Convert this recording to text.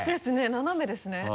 斜めですね。